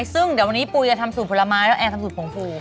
ซึ่งวันนี้ปุ๊ยจะทำสูตรผลไม้แล้วแอนทำสูตรผงฟู